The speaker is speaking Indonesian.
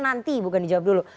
nanti bukan di jawab dulu